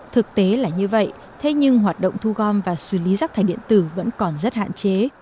thực tế là như vậy thế nhưng hoạt động thu gom và xử lý rác thải điện tử vẫn còn rất hạn chế